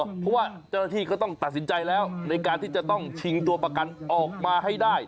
เพราะว่าเจ้าหน้าที่ก็ต้องตัดสินใจแล้วในการที่จะต้องชิงตัวประกันออกมาให้ได้